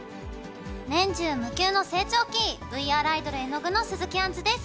年中無休の成長期、ＶＲアイドル、えのぐの鈴木あんずです。